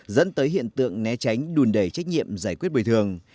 dẫn tới hiện tượng né tránh đùn đẩy trách nhiệm giải quyết bồi thường